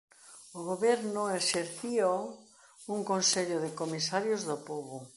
O Goberno exercíao un Consello de Comisarios do Pobo.